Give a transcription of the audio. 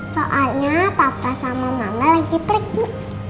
soalnya papa sama mama lagi pergi